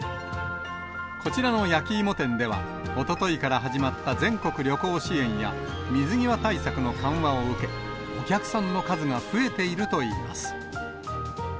こちらの焼き芋店では、おとといから始まった全国旅行支援や、水際対策の緩和を受け、お客さんの数が増えているといいます。